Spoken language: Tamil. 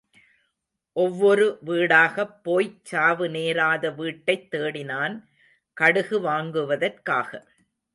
ஒவ்வொரு வீடாகப் போய்ச் சாவு நேராத வீட்டைத் தேடினான், கடுகு வாங்குவதற்காக.